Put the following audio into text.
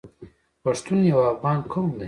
پښتون یو افغان قوم دی.